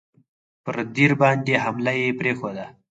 پر دیر باندي حمله یې پرېښوده.